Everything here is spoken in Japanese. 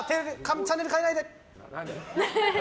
チャンネル変えないで！